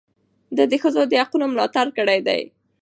ده د ښځو د حقونو ملاتړ کړی دی.